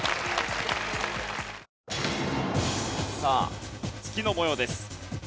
さあ月の模様です。